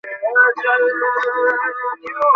কখনো কখনো এটি তেমন সুখকর কাজ নয়, কিন্তু এটা করতে হবে।